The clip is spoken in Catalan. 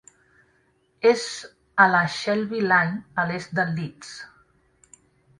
És a la Selby Line, a l'est de Leeds.